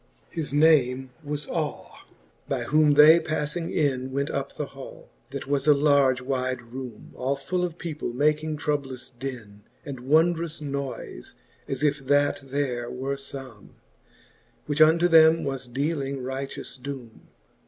XXIII. His name was y^we ; by whom they pafling in Went up the hall, that was a large wyde roome, All full of people making troublous din, And wondrous noyfe, as if that there were fome, Which unto them was dealing righteous doome.